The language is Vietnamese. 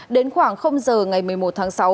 đến khoảng h ngày một mươi một tháng sáu